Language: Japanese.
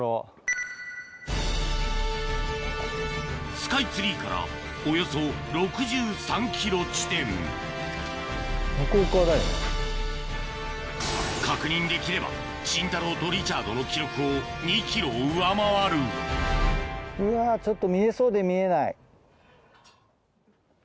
スカイツリーからおよそ６３ｋｍ地点確認できればシンタローとリチャードの記録を２ｋｍ上回るうわちょっと見えそうで見えない。